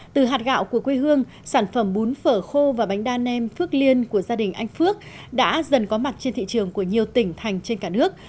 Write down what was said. từ hạt gạo của quê hương sản phẩm bún phở khô và bánh đa nem phước liên của gia đình anh phước đã dần có mặt trên thị trường của nhiều tỉnh thành trên cả nước